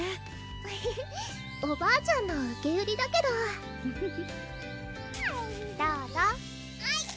エヘヘおばあちゃんの受け売りだけどどうぞあい！